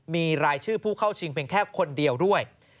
มีรายชื่อผู้เข้าชิงเพียงแค่คนเดียวด้วย